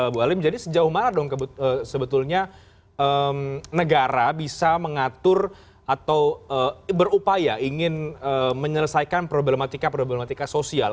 bu alim jadi sejauh mana dong sebetulnya negara bisa mengatur atau berupaya ingin menyelesaikan problematika problematika sosial